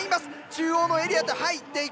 中央のエリアへと入っていく。